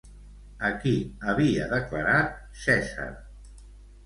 A qui havia declarat cèsar?